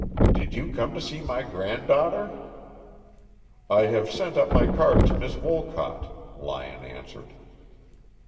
"Did you come to see my granddaughter?" "I have sent up my card to Miss Wolcott," Lyon answered.